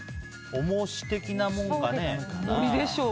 重し的なものかね？